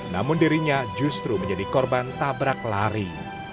namun dirinya justru menjadi korban tabrak lari